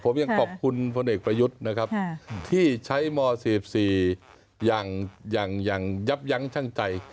ผมยังขอบคุณพลเอกประยุทธ์นะครับที่ใช้ม๔๔อย่างยับยั้งชั่งใจ